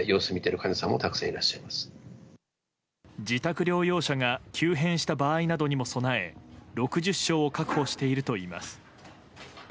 自宅療養者が急変した場合などにも備え６０床を確保しているといいます。